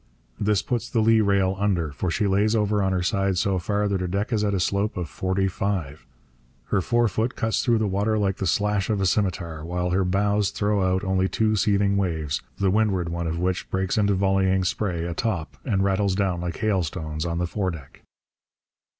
This puts the lee rail under; for she lays over on her side so far that her deck is at a slope of forty five. Her forefoot cuts through the water like the slash of a scimitar; while her bows throw out two seething waves, the windward one of which breaks into volleying spray a top and rattles down like hailstones on the fore deck.